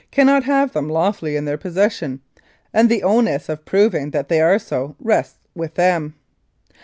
cannot have them lawfully in their possession, and the onus of proving that they are so rests with them.